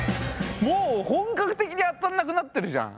もう本格的に当たんなくなってるじゃん。